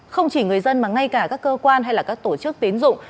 không chỉ người dân mà ngay cả các cơ quan hay là các tổ chức tín dụng